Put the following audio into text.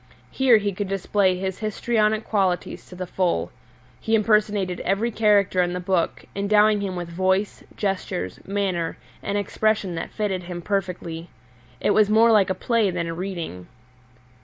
Here he could display his histrionic qualities to the full. He impersonated every character in the book, endowing him with voice, gestures, manner, and expression that fitted him perfectly. It was more like a play than a reading.